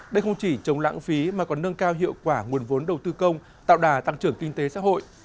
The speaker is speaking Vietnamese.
đây không chỉ chống lãng phí mà còn nâng cao hiệu quả nguồn vốn đầu tư công tạo đà tăng trưởng kinh tế xã hội